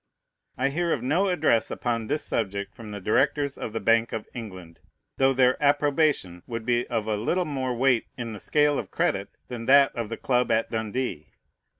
I hear of no address upon this subject from the directors of the Bank of England, though their approbation would be of a little more weight in the scale of credit than that of the club at Dundee.